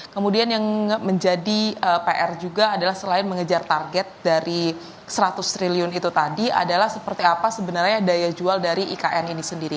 kemudian yang menjadi pr juga adalah selain mengejar target dari seratus triliun itu tadi adalah seperti apa sebenarnya daya jual dari ikn ini sendiri